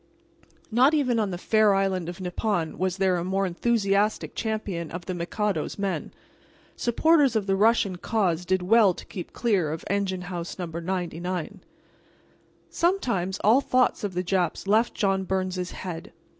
Not even on the fair island of Nippon was there a more enthusiastic champion of the Mikado's men. Supporters of the Russian cause did well to keep clear of Engine House No. 99. Sometimes all thoughts of the Japs left John Byrnes's head.